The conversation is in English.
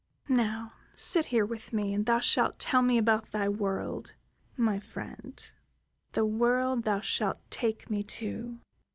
"Now sit here with me, and thou shalt tell me about thy world, my friend, the world thou shalt take me to."